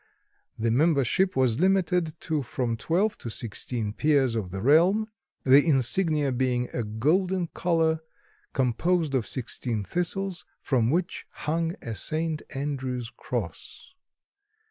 The membership was limited to from twelve to sixteen peers of the realm, the insignia being a golden collar composed of sixteen thistles, from which hung a St. Andrew's cross.